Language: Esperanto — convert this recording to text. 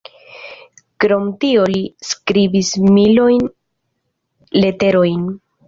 Krom tio li skribis milojn leterojn.